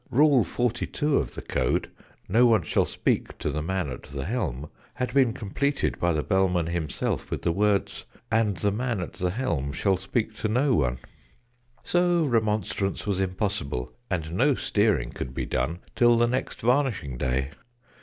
Rule 42 of the Code, "No one shall speak to the Man at the Helm," had been completed by the Bellman himself with the words "and the Man at the Helm shall speak to no one." So remonstrance was impossible, and no steering could be done till the next varnishing day.